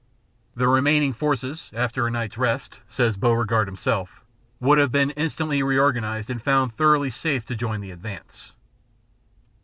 "The remaining forces, after a night's rest," says Beauregard himself, "would have been instantly reorganized and found thoroughly safe to join the advance."